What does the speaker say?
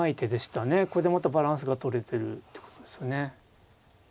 これでまたバランスがとれてるってことですよね。